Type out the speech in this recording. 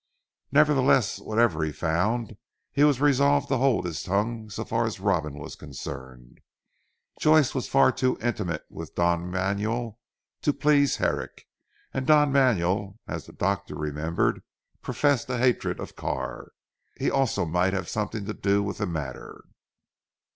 Nevertheless whatever he found, he resolved to hold his tongue so far as Robin was concerned. Joyce was far too intimate with Don Manuel to please Herrick. And Don Manuel, as the doctor remembered professed a hatred of Carr. He also might have something to do with the matter.